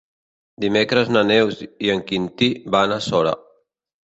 Dimecres na Neus i en Quintí van a Sora.